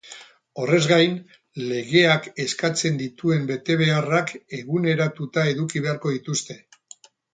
Horrez gain, legeak eskatzen dituen betebeharrak eguneratuta eduki beharko dituzte.